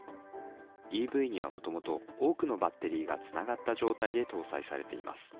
ＥＶにはもともと多くのバッテリーがつながった状態で搭載されています。